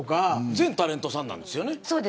全タレントさんなんですよね。